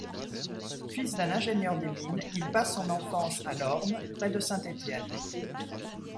Fils d'un ingénieur des mines, il passe son enfance à L'Horme, près de Saint-Étienne.